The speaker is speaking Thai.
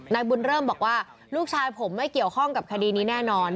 นายบุญเริ่มบอกว่าลูกชายผมไม่เกี่ยวข้องกับคดีนี้แน่นอน